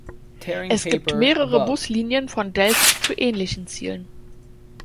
Es gibt mehrere Buslinien von Delft zu ähnlichen Zielen.